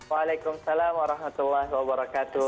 waalaikumsalam warahmatullahi wabarakatuh